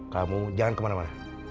kamu jangan kemana mana